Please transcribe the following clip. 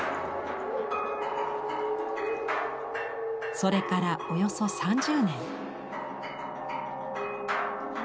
それからおよそ３０年。